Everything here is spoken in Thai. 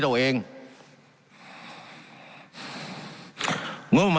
การปรับปรุงทางพื้นฐานสนามบิน